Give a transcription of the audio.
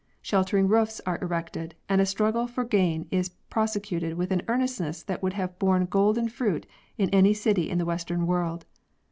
Sheltering roofs are erected, and a struggle for gain is prosecuted with an earnestness that would have borne golden fruit in any city in the Western World.